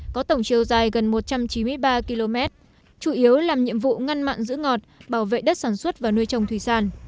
có tổng chiều dài gần một trăm chín mươi ba km chủ yếu làm nhiệm vụ ngăn mặn giữ ngọt bảo vệ đất sản xuất và nuôi trồng thủy sản